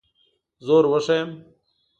زور وښیم.